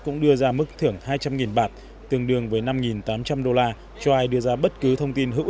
cũng đưa ra mức thưởng hai trăm linh bạt tương đương với năm tám trăm linh đô la cho ai đưa ra bất cứ thông tin hữu